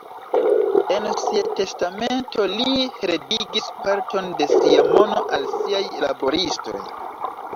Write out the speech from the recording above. En sia testamento li heredigis parton de sia mono al siaj laboristoj.